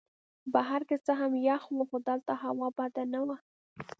بهر که څه هم یخ وو خو دلته هوا بده نه وه.